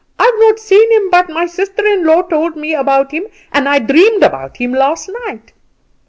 I've not seen him, but my sister in law told me about him, and I dreamed about him last night."